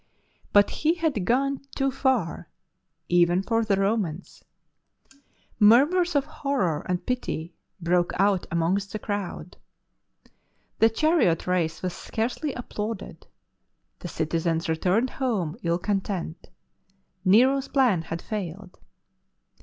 But he had gone too far even for the Romans Idurmurs of horror and pity broke out amongs the crowd. The chariot race was scarcely applauded; the citizens returned home dl content. Nero's plan had failed.